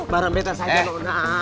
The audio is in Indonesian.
bareng beta saja nona